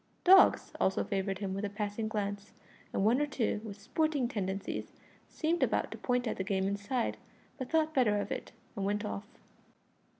Dogs also favoured him with a passing glance, and one or two, with sporting tendencies, seemed about to point at the game inside, but thought better of it, and went off.